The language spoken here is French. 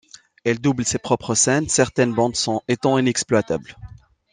Elle double ses propres scènes, certaines bandes son étant inexploitables.